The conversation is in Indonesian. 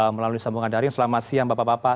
melalui sambungan daring selamat siang bapak bapak